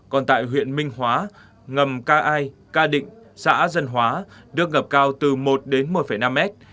còn tại huyện minh hóa ngầm ca ai ca định xã dân hóa được ngập cao từ một đến một năm mét